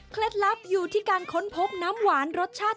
ลับอยู่ที่การค้นพบน้ำหวานรสชาติ